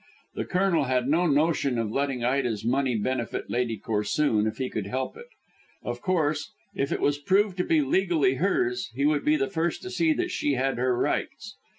The Colonel had no notion of letting Ida's money benefit Lady Corsoon if he could help it. Of course, if it was proved to be legally hers he would be the first to see that she had her rights.